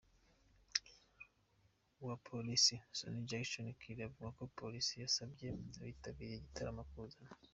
wa Polisi, Sonny Jackson Kyle avuga ko Polisi yasabye abitabiriye igitaramo kuzana.